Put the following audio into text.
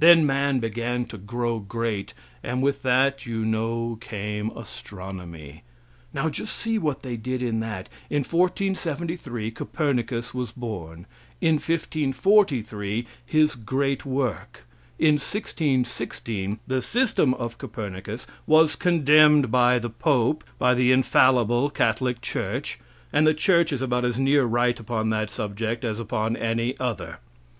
Then man began to grow great, and with that you know came astronomy. Now just see what they did in that. In 1473 Copernicus was born. In 1543 his great work. In 1616 the system of Copernicus was condemned by the pope, by the infallible Catholic church, and the church is about as near right upon that subject as upon any other.